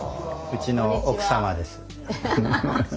うちの奥様です。